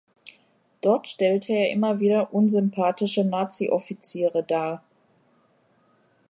Dort stellte er immer wieder unsympathische Nazi-Offiziere dar.